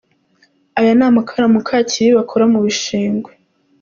Aya ni amakara Mukakibibi akora mu bishingwe.